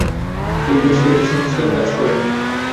তিনি বেশ কয়েকটি সংস্কার কাজ করেন।